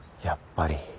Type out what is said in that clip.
やっぱり。